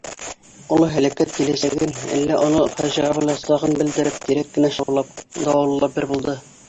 Оло һәләкәт киләсәген, әллә оло фажиғә буласағын белдереп тирәк кенә шаулап, дауыллап бер булды.